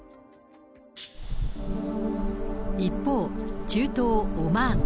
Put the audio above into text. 一方、中東オマーン。